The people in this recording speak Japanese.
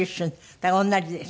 だから同じです。